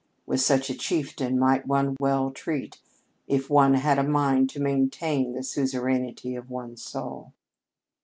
With such a chieftain might one well treat if one had a mind to maintain the suzerainty of one's soul.